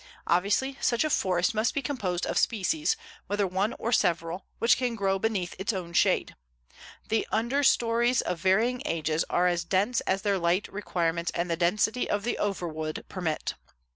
Obviously such a forest must be composed of species, whether one or several, which can grow beneath its own shade. The understories of varying ages are as dense as their light requirements and the density of the overwood permit.